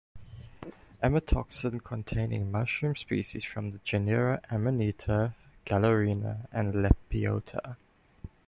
Amatoxin-containing mushroom species from the genera "Amanita", "Galerina" and "Lepiota".